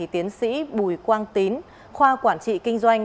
tiến sĩ bùi quang tín khoa quản trị kinh doanh